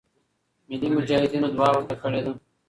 ملی مجاهدینو دعا ورته کړې ده.